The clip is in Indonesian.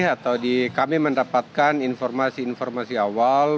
atau kami mendapatkan informasi informasi awal